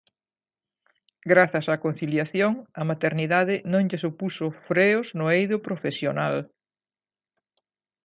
Grazas á conciliación, a maternidade non lle supuxo freos no eido profesional.